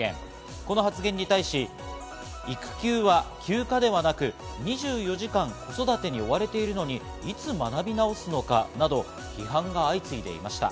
この発言に対し、育休は休暇ではなく、２４時間子育てに追われているのに、いつ学び直すのかなど批判が相次いでいました。